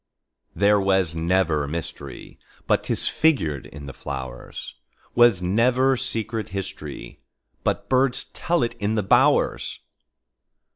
There was never mysteryBut 'tis figured in the flowers; SWas never secret historyBut birds tell it in the bowers.